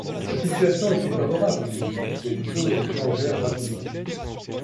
Sa situation était favorable au début, mais les choses changèrent rapidement.